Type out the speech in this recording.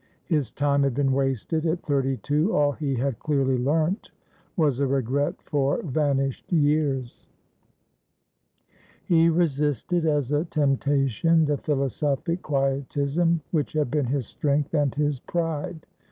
His time had been wasted. At thirty two all he had clearly learnt was a regret for vanished years. He resisted as a temptation the philosophic quietism which had been his strength and his pride.